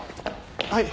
はい？